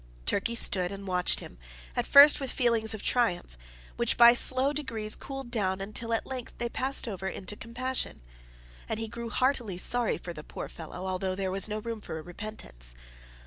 Turkey stood and watched him, at first with feelings of triumph, which by slow degrees cooled down until at length they passed over into compassion, and he grew heartily sorry for the poor fellow, although there was no room for repentance.